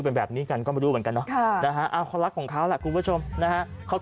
เป็นแบบนี้กันก็ไม่รู้เหมือนกันเนาะเขารักของเขาแหละคุณผู้ชมนะฮะเขา